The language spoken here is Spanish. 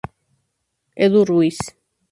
Edu Ruiz